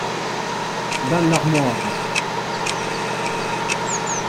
Dans l’armoire.